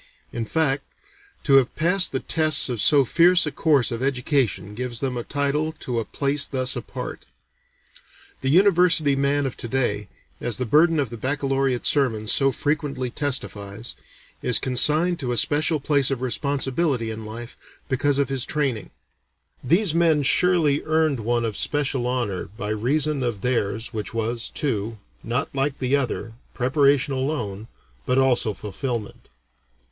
In fact, to have passed the tests of so fierce a course of education gives them a title to a place thus apart. The university man of to day, as the burden of the baccalaureate sermons so frequently testifies, is consigned to a special place of responsibility in life because of his training; these men surely earned one of special honor by reason of theirs, which was, too, not like the other, preparation alone, but also fulfilment.